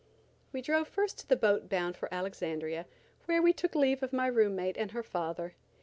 We drove first to the boat bound for Alexandria, where we took leave of my room mate, and her father.